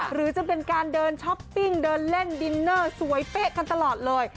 หรือจะเป็นการเดินช้อปปิ้งเดินเล่นดินเนอร์สวยเป๊ะกันตลอดเลย